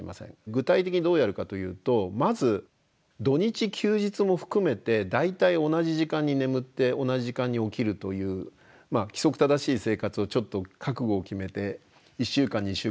具体的にどうやるかというとまず土日休日も含めて大体同じ時間に眠って同じ時間に起きるという規則正しい生活をちょっと覚悟を決めて１週間２週間やって下さい。